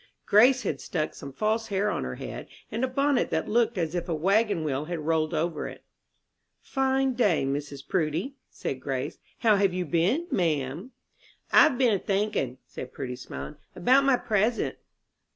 Grace had stuck some false hair on her head, and a bonnet that looked as if a wagon wheel had rolled over it. "Fine day, Mrs. Prudy," said Grace; "how have you been, ma'am?" "I've been a thinkin'," said Prudy, smiling, "about my present."